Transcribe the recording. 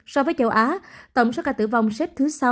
so với châu á tổng số ca tử vong xếp thứ sáu